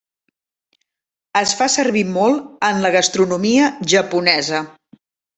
Es fa servir molt en la gastronomia japonesa.